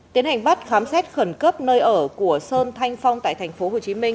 tiến hành bắt khám xét khẩn cấp nơi ở của sơn thanh phong tại thành phố hồ chí minh